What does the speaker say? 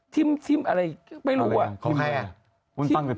ทิมอะไรไม่รู้อะ